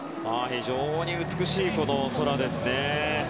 非常に美しい空ですね。